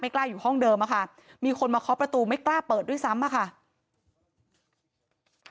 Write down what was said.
กล้าอยู่ห้องเดิมอะค่ะมีคนมาเคาะประตูไม่กล้าเปิดด้วยซ้ำอะค่ะ